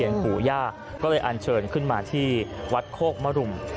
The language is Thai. แต่เห็นปู่ย่าก็เลยรั้งเชิญขึ้นมาทีวัดโค๊กมรุม